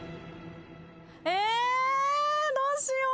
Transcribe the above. え！